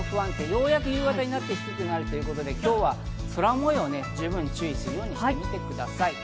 ようやく夕方になって去るということで今日は空模様に十分注意するようにしてください。